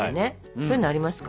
そういうのありますか？